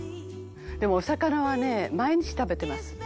「でもお魚はね毎日食べてます」